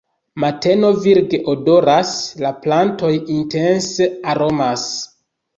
Mateno virge odoras, la plantoj intense aromas.